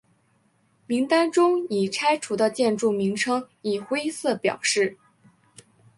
名单中已拆除的建筑名称以灰色表示。